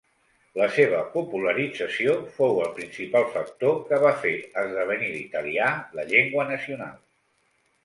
La seva popularització fou el principal factor que va fer esdevenir l'italià la llengua nacional.